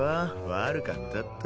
悪かったって。